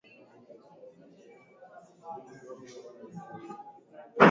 na miji mingi walipokaa wahamiaji kutoka Italia waliotumia lugha ya Kilatini